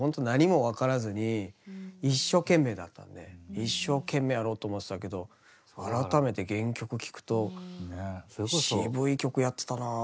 一生懸命やろうと思ってたけど改めて原曲聴くと渋い曲やってたなあっていう。